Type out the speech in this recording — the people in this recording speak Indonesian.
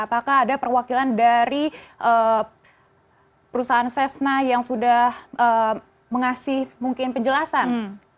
apakah ada perwakilan dari perusahaan sesna yang sudah mengasih mungkin penjelasan